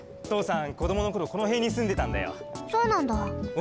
ん？